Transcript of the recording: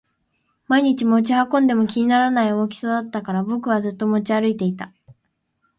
毎日持ち運んでも気にならない大きさだったから僕はずっと持ち歩いていた